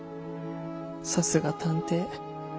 さすが探偵。